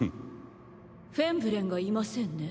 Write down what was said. フェンブレンがいませんね。